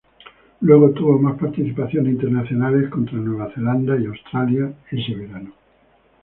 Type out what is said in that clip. Luego tuvo más participaciones internacionales contra Nueva Zelanda y Australia ese verano.